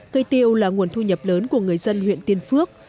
cây tiêu là nguồn thu nhập lớn của người dân huyện tiên phước